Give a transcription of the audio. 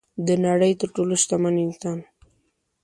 د نړۍ تر ټولو شتمن انسان